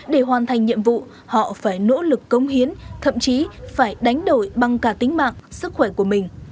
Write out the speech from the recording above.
để hoàn thành nhiệm vụ họ phải nỗ lực công hiến thậm chí phải đánh đổi bằng cả tính mạng sức khỏe của mình